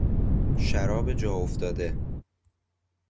شراب جا افتاده